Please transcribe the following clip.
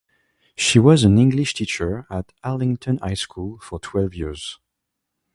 She was an English teacher at Arlington High School for twelve years.